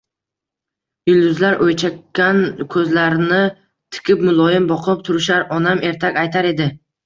Yulduzlar o‘ychan ko‘zlarini tikib muloyim boqib turishar, onam ertak aytar edi.